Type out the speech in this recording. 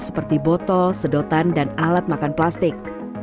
seperti botol sedotan dan alat makan plastik